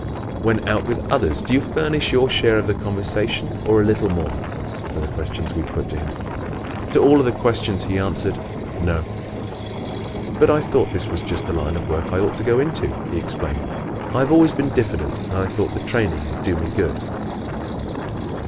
When out with others do you furnish your share of the conversation or a little more?" were the questions we put to him. To all of the questions he answered "No." "But I thought this was just the line of work I ought to go into," he explained, "I have always been diffident and I thought the training would do me good."